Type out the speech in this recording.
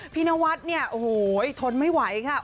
นวัดเนี่ยโอ้โหทนไม่ไหวค่ะ